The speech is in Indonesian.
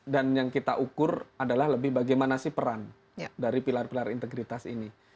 dan yang kita ukur adalah lebih bagaimana sih peran dari pilar pilar integritas ini